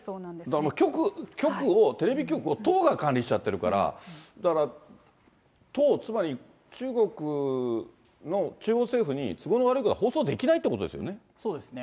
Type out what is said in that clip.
だからもう、局を、テレビ局を党が管理しちゃってるから、だから党、つまり中国の中央政府に都合の悪いことは放送できないってことでそうですね。